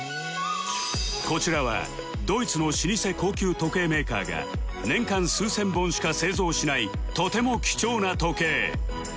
こちらはドイツの老舗高級時計メーカーが年間数千本しか製造しないとても貴重な時計